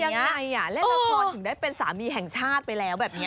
ยังไงเล่นละครถึงได้เป็นสามีแห่งชาติไปแล้วแบบนี้